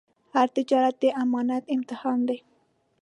هر تجارت د امانت امتحان دی.